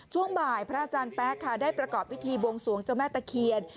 ช่วงบ่ายพระอาจารย์แป๊กค่ะได้ประกอบพิธีบวงสวงเจ้าแม่ตะเคียน